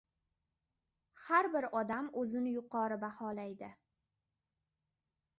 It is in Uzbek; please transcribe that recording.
• Har bir odam o‘zini yuqori baholaydi.